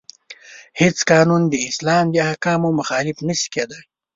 هیڅ قانون د اسلام د احکامو مخالف نشي کیدای.